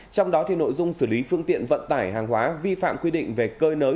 trong đó nội dung xử lý phương tiện vận tải hàng hóa vi phạm quy định về cơi nới